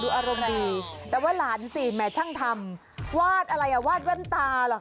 ดูอารมณ์ดีแต่ว่าหลานศีลแม่ช่างธรรมวาดอะไรอ่ะวาดว้านตาหรอคะ